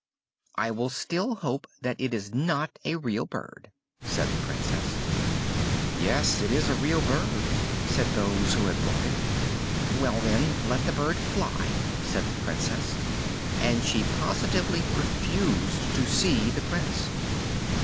"I will still hope that it is not a real bird," said the Princess. "Yes, it is a real bird," said those who had brought it. "Well then let the bird fly," said the Princess; and she positively refused to see the Prince.